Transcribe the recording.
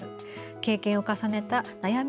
経験を重ねた悩み